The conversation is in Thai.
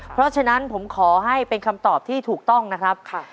เพราะฉะนั้นผมขอให้เป็นคำตอบที่ถูกต้องนะครับ